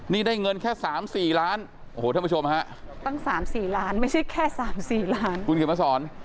นี่ได้เงินแค่สามสี่ล้านโอ้โหท่านผู้ชมฮะตั้งสามสี่ล้านไม่ใช่แค่สามสี่ล้านคุณเขียนมาสอน